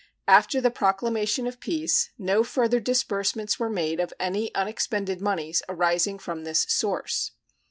After the proclamation of peace no further disbursements were made of any unexpended moneys arising from this source.